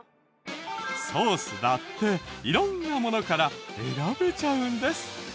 ソースだって色んなものから選べちゃうんです。